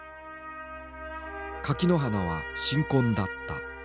垣花は新婚だった。